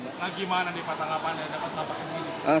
nah gimana nih patang apaan yang dapat di sini